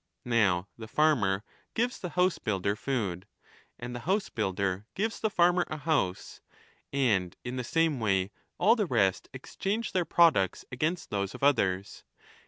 Now the farmer gives the 10 housebuilder food, and the housebuilder gives the farmer a house ; and in the same way all the rest exchange their products against those of others.